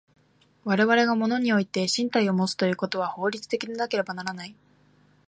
我々が物において身体をもつということは法律的でなければならない。